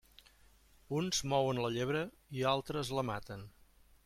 Uns mouen la llebre i altres la maten.